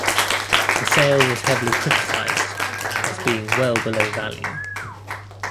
The sale was heavily criticized as being well below value.